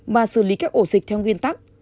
mà xử lý các ổ dịch theo nguyên tắc